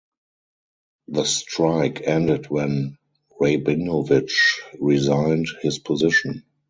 The strike ended when Rabinovitch resigned his position.